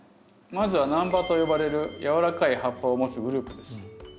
まずは軟葉と呼ばれる軟らかい葉っぱを持つグループです。